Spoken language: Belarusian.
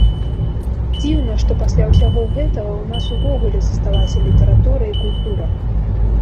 Дзіўна, што пасля ўсяго гэтага ў нас увогуле засталася літаратура і культура.